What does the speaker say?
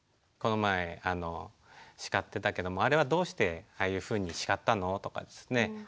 「この前叱ってたけどあれはどうしてああいうふうに叱ったの？」とかですね